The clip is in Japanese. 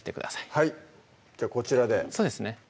はいじゃあこちらでそうですね